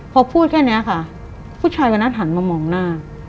พอพูดแค่นี้ค่ะผู้ชายวันนั้นหันมามองหน้า